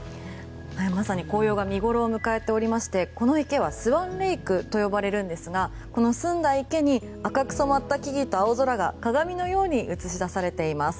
まさに紅葉が見ごろを迎えておりましてこの池はスワンレイクと呼ばれるんですがこの澄んだ池に赤く染まった木々と青空が鏡のように映し出されています。